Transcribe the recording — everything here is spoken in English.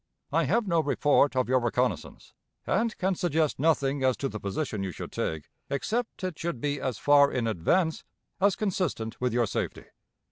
I have no report of your reconnaissance, and can suggest nothing as to the position you should take except it should be as far in advance as consistent with your safety.